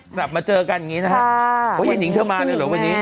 กลับมาเจอกันอย่างนี้นะคะเหมือนหญิงเธอมาแล้วหรอวันนี้